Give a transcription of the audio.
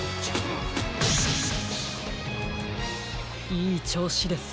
いいちょうしです。